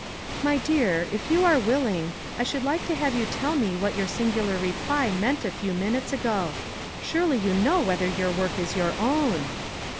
" My dear, if you are willing, I should like to have you tell me what your singular reply meant a few minutes ago. Surely you know whether your work is your own